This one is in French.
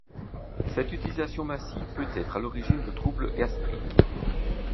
Cette utilisation massive peut être à l'origine de troubles gastriques.